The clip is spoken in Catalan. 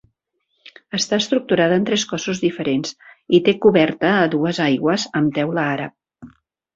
Està estructurada en tres cossos diferents i té coberta a dues aigües amb teula àrab.